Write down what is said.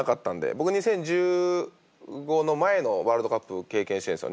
僕２０１５の前のワールドカップ経験してんすよ。